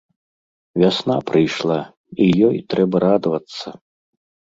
Вясна прыйшла, і ёй трэба радавацца!